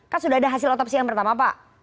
kan sudah ada hasil otopsi yang pertama pak